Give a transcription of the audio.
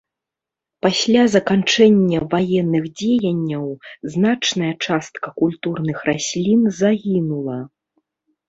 Пасля заканчэння ваенных дзеянняў значная частка культурных раслін загінула.